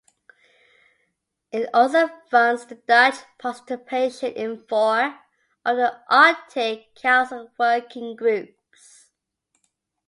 It also funds the Dutch participation in four of the Arctic Council working groups.